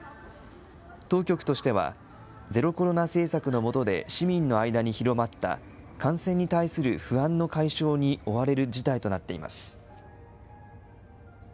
当局としては、ゼロコロナ政策の下で、市民の間に広まった、感染に対する不安の解消に追われる事態となっています。